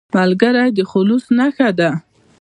ملګری د خلوص نښه ده